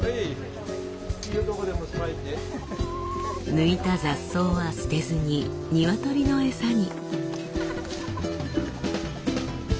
抜いた雑草は捨てずに鶏の餌に。